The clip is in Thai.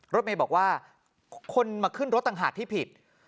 รถเมย์บอกว่าคนมาขึ้นรถต่างหากที่ผิด